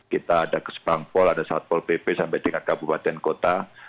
kita ada ke sepangpol ada satpol pp sampai di kakak bubatan kota